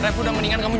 lo tau kan di dalam tuh